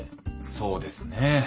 そうですね。